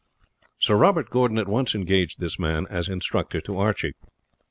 Sir Robert Gordon at once engaged this man as instructor to Archie.